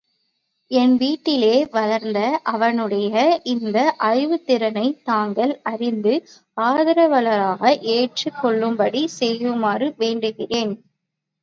என் வீட்டிலே வளர்ந்த அவனுடைய இந்த அறிவுத் திறனை தாங்கள் அறிந்த ஆதரவாளராக ஏற்றுக் கொள்ளும்படி செய்யுமாறு வேண்டுகிறேன்.